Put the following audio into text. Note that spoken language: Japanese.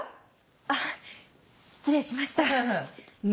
あっ失礼しました。